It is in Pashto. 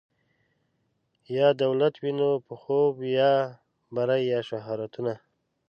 یا دولت وینو په خوب کي یا بری یا شهرتونه